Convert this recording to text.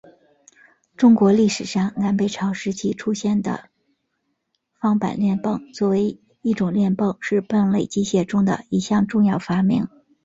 中国历史上南北朝时期出现的方板链泵作为一种链泵是泵类机械的一项重要发明。